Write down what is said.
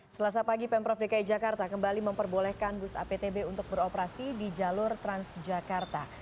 selasa pagi pemprov dki jakarta kembali memperbolehkan bus aptb untuk beroperasi di jalur transjakarta